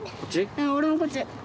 うん俺もこっち。